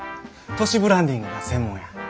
都市ブランディングが専門や。